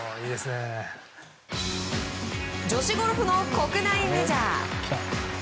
女子ゴルフの国内メジャー。